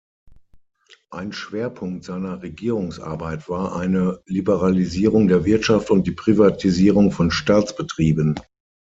Ein Schwerpunkt seiner Regierungsarbeit war eine Liberalisierung der Wirtschaft und die Privatisierung von Staatsbetrieben.